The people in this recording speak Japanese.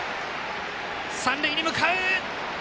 三塁に向かう。